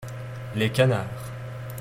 Les canards.